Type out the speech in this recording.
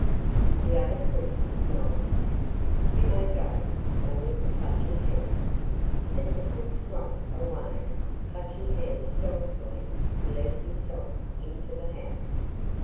The other crook nodded. "You may go," ordered the Clutching Hand. As the crook slunk away, Clutching Hand stealthily let himself into the house.